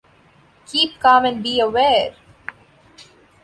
Keep calm and be aware!